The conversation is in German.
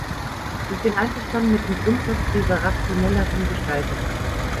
Ich bin einverstanden mit dem Grundsatz dieser rationelleren Gestaltung.